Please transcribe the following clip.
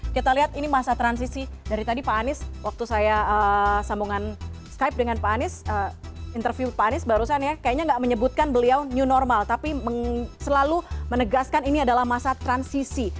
kita lihat ini masa transisi dari tadi pak anies waktu saya sambungan skype dengan pak anies interview pak anies barusan ya kayaknya nggak menyebutkan beliau new normal tapi selalu menegaskan ini adalah masa transisi